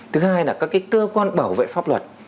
thứ hai là các cơ quan bảo vệ pháp luật